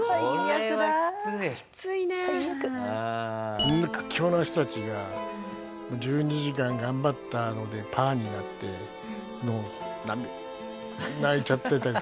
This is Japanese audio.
あんな屈強な人たちが１２時間頑張ったのでパーになって泣いちゃってたりとかね。